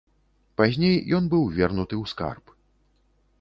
Пазней ён быў вернуты ў скарб.